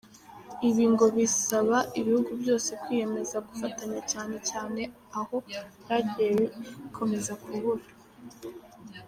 Ibi ngo bisaba ibihugu byose kwiyemeza gufatanya cyane cyane aho byagiye bikomeza kubura.